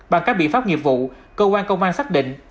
bằng các biện pháp nghiệp vụ cơ quan công an xác định